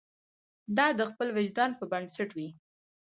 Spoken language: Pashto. دا د خپل وجدان پر بنسټ وي.